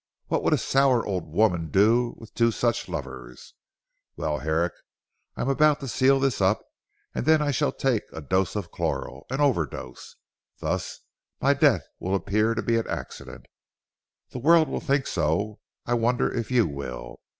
What would a sour old woman do with two such lovers? Well Herrick I am about to seal this up and then I shall take a dose of chloral an overdose. Thus my death will appear to be an accident. The world will think so. I wonder if you will?